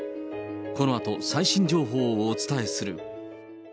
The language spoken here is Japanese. このあと最新情報をお伝えする。